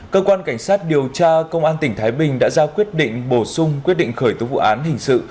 cơ quan cảnh sát điều tra công an tỉnh thái bình đã ra quyết định bổ sung quyết định khởi tố vụ án hình sự